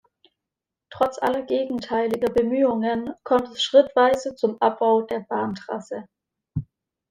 Trotz aller gegenteiliger Bemühungen kommt es schrittweise zum Abbau der Bahntrasse.